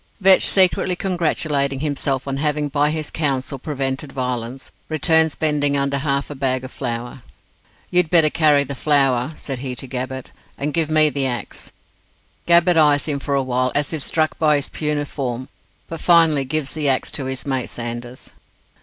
Vetch, secretly congratulating himself on having by his counsel prevented violence, returns bending under half a bag of flour. "You'd better carry the flour," said he to Gabbett, "and give me the axe." Gabbett eyes him for a while, as if struck by his puny form, but finally gives the axe to his mate Sanders.